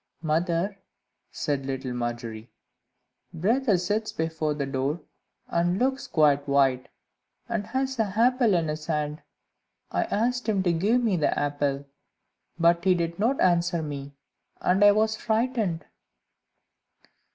"Mother," said little Margery, "brother sits before the door, and looks quite white, and has an apple in his hand; I asked him to give me the apple, but he did not answer me, and I was frightened."